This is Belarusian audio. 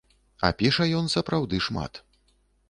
А піша ён сапраўды шмат.